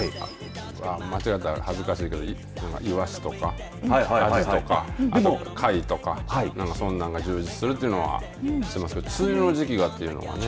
間違えたらはずかしいけど、いわしとかあじとか貝とかそんなんが充実するっていうのは知ってますけど梅雨の時期だというのはね。